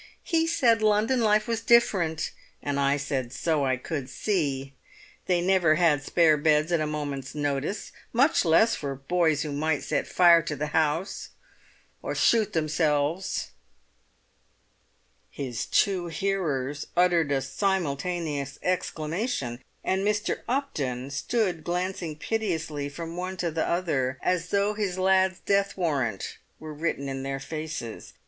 He said London life was different; and I said so I could see. They never had spare beds at a moment's notice, much less for boys who might set fire to the house or—or shoot themselves——" His two hearers uttered a simultaneous exclamation, and Mr. Upton stood glancing piteously from one to the other, as though his lad's death warrant were written in their faces.